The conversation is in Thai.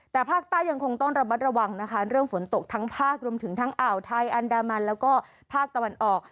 แต่ภาคใต้ยังคงต้องระมัดระวังนะคะเรื่องฝนตกทั้งภาครวมถึงทั้งอ่าวไทยอันดามันแล้วก็ภาคตะวันออก